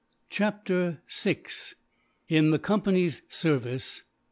Chapter 6: In The Company's Service.